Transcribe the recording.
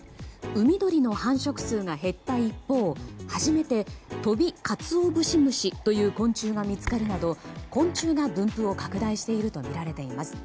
海鳥の繁殖数が減った一方初めてトビカツオブシムシという昆虫が見つかるなど昆虫が分布を拡大しているとみられています。